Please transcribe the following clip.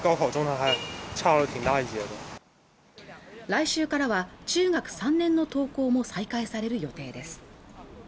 来週からは中学３年の登校も再開される予定です